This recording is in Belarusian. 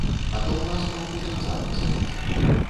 А то ў нас могуць і назад пасадзіць.